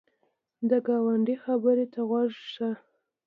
د ګاونډي خبر ته غوږ شه